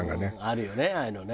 あるよねああいうのね。